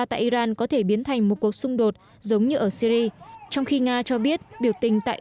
tại iran có thể biến thành một cuộc xung đột giống như ở syri trong khi nga cho biết biểu tình tại